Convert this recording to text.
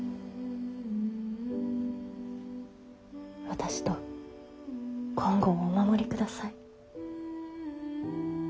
私と金剛をお守りください。